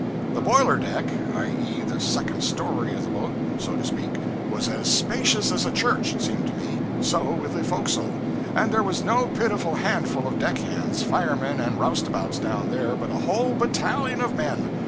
The boiler deck (i.e. the second story of the boat, so to speak) was as spacious as a church, it seemed to me; so with the forecastle; and there was no pitiful handful of deckhands, firemen, and roustabouts down there, but a whole battalion of men.